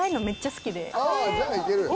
あじゃいけるよ。